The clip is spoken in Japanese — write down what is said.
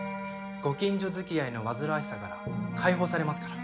ご近所づきあいの煩わしさから解放されますから。